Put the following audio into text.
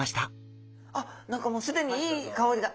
あっ何かもう既にいい香りが。